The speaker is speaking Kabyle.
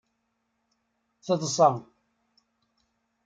Teḍsa.